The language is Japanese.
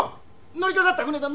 乗りかかった船だ。